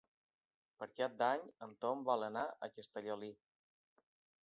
Per Cap d'Any en Tom vol anar a Castellolí.